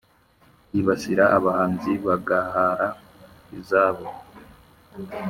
yibasira abahanzi bagahara izabo.